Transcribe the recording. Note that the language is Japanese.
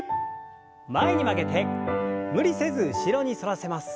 前に曲げて無理せず後ろに反らせます。